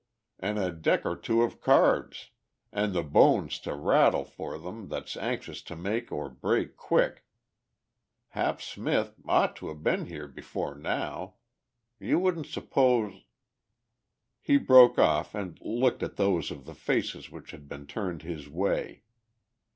An' a deck or two of cards an' the bones to rattle for them that's anxious to make or break quick ... Hap Smith ought to been here before now. You wouldn't suppose...." He broke off and looked at those of the faces which had been turned his way.